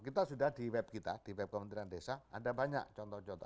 kita sudah di web kita di web kementerian desa ada banyak contoh contoh